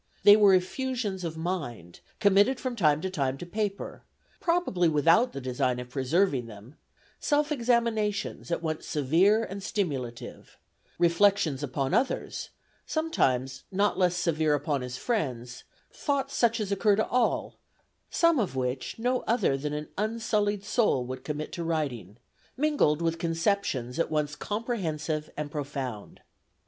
They were effusions of mind, committed from time to time to paper, probably without the design of preserving them; self examinations at once severe and stimulative; reflections upon others, sometimes, not less severe upon his friends; thoughts such as occur to all, some of which no other than an unsullied soul would commit to writing, mingled with conceptions at once comprehensive and profound."